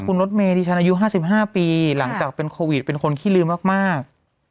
คุณรถเมย์ดิฉันอายุ๕๕ปีหลังจากเป็นโควิดเป็นคนขี้ลืมมาก